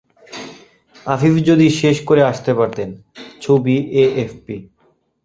আফিফ যদি শেষ করে আসতে পারতেন! ছবি: এএফপি